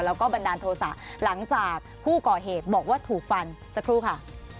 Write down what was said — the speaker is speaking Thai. แล้วก็บันดาลโทษะหลังจากผู้ก่อเหตุบอกว่าถูกฟันสักครู่ค่ะ